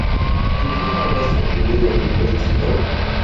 Ĉu vi havas opinion pri tio?